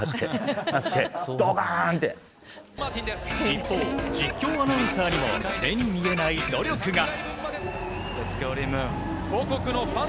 一方、実況アナウンサーにも目に見えない努力が。